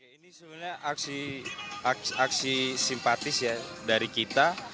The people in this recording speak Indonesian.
ini sebenarnya aksi simpatis ya dari kita